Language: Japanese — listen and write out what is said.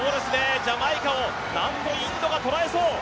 ジャマイカをなんとインドがとらえそう。